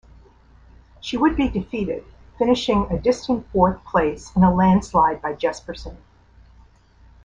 She would be defeated finishing a distant fourth place in a landslide by Jespersen.